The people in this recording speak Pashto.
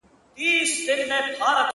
په یوه جرګه کي ناست وه مروروه!